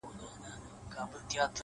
اور يې وي په سترگو کي لمبې کوې-